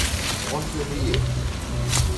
Ɣunfan-iyi?